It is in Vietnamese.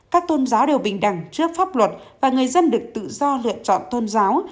các tôn giáo đều bình đẳng trước pháp luật và người dân được tự do lựa chọn tôn giáo